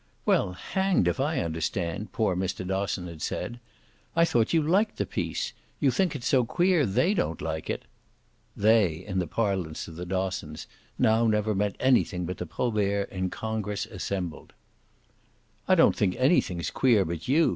"Well, hanged if I understand!" poor Mr. Dosson had said. "I thought you liked the piece you think it's so queer THEY don't like it." "They," in the parlance of the Dossons, now never meant anything but the Proberts in congress assembled. "I don't think anything's queer but you!"